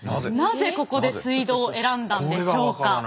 なぜここで水道を選んだんでしょうか？